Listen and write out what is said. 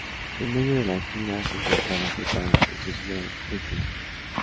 En medio de la gira, se encontraban preparando el sucesor de este disco.